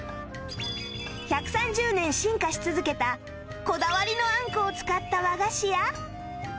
１３０年進化し続けたこだわりのあんこを使った和菓子や